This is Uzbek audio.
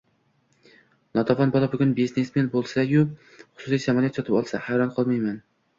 notavon bola bugun “biznesmen”bo’lsa-yu, xususiy samolyot sotib olsa, hayron qolmayman.